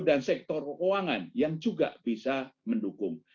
dan sektor uangan yang juga bisa mendukung